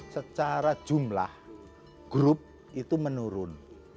secara jumlah grup itu menurun